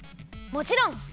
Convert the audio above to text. もちろん！